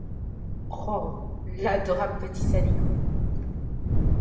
Roh l’adorable petit saligaud.